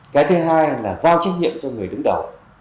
cái thứ hai là giao trách nhiệm cho người đứng đầu